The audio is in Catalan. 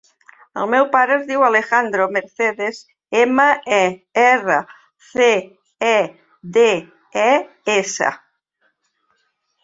El meu pare es diu Alejandro Mercedes: ema, e, erra, ce, e, de, e, essa.